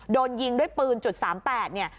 โดนยิงด้วยปืน๓๘เนี่ย